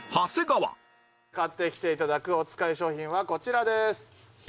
買ってきていただくおつかい商品はこちらです。